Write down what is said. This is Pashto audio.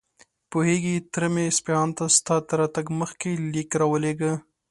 پوهېږې، تره مې اصفهان ته ستا تر راتګ مخکې ليک راولېږه.